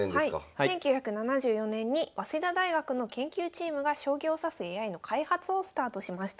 １９７４年に早稲田大学の研究チームが将棋を指すＡＩの開発をスタートしました。